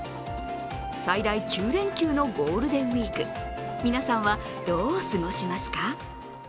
最大９連休のゴールデンウイーク、皆さんはどう過ごしますか？